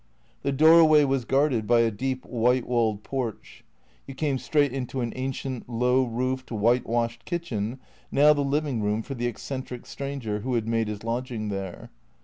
The doorway was guarded by a deep, white walled porch. You came straight into an ancient low roofed, white washed kitchen, now the living room for the eccentric stranger who had made his lodging there.